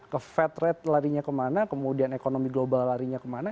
ke fat rate larinya kemana kemudian ekonomi global larinya kemana